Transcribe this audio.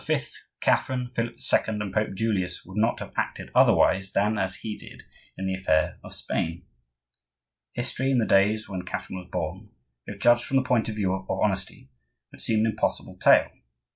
Catherine, Philip II., and Pope Julius would not have acted otherwise than as he did in the affair of Spain. History, in the days when Catherine was born, if judged from the point of view of honesty, would seem an impossible tale.